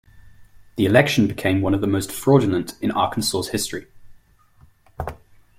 The election became one of the most fraudulent in Arkansas' history.